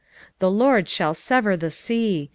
"The Lord shall sever the sea!